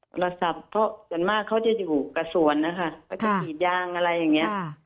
โทรศัพท์เพราะส่วนมากเขาจะอยู่กับสวนนะคะเขาจะกรีดยางอะไรอย่างนี้